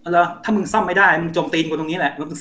แล้วถ้ามึงซ่อมไม่ได้มึงจมตีนกว่าตรงนี้แหละ